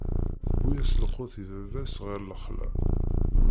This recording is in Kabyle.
Tewwi-yas lqut i baba-s ɣer lexla.